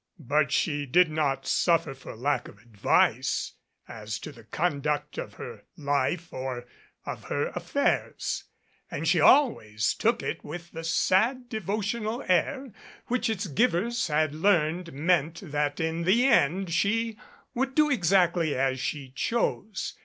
But she did not suffer for lack of advice as to the con duct of her life or of her affairs, and she always took it with the sad devotional air which its givers had learned meant that in the end she would do exactly as she chose.